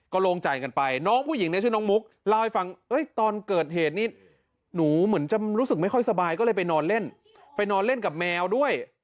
โล่งใจกันไปน้องผู้หญิงเนี่ยชื่อน้องมุกเล่าให้ฟังตอนเกิดเหตุนี้หนูเหมือนจะรู้สึกไม่ค่อยสบายก็เลยไปนอนเล่นไปนอนเล่นกับแมวด้วย